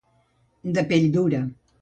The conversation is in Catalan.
De pell dura.